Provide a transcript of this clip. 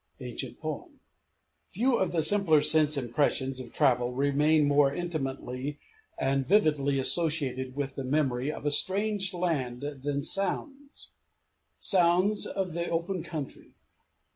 Ancient Poem. I Few of the simpler sense impressions of travel remain more intimately and vividly associated with the memory of a strange land than sounds, sounds of the open country.